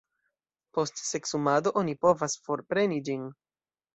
Post seksumado oni povas forpreni ĝin.